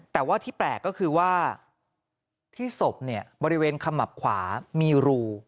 แต่ว่าที่แปลกก็คือว่าที่ศพเนี่ยบริเวณขมับขวามีรู